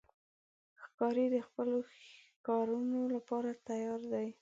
ښکاري د خپلو ښکارونو لپاره تیار دی.